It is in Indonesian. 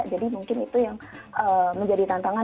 jadi mungkin itu yang menjadi tantangan